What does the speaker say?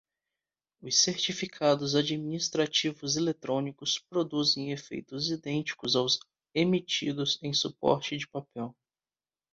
Os certificados administrativos eletrônicos produzem efeitos idênticos aos emitidos em suporte de papel.